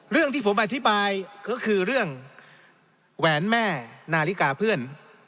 เรื่องที่ผมอธิบายก็คือเรื่องแหวนแม่นาฬิกาเพื่อน